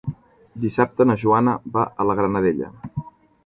Dissabte na Joana va a la Granadella.